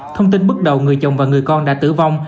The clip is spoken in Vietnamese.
thông tin bước đầu người chồng và người con đã tử vong